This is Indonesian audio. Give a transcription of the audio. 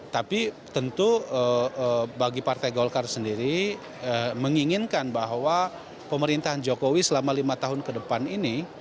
tapi tentu bagi partai golkar sendiri menginginkan bahwa pemerintahan jokowi selama lima tahun ke depan ini